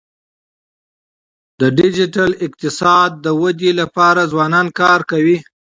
د ډیجیټل اقتصاد د ودي لپاره ځوانان کار کوي.